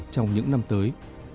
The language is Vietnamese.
trong những năm tới